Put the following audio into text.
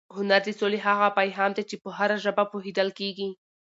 هنر د سولې هغه پیغام دی چې په هره ژبه پوهېدل کېږي.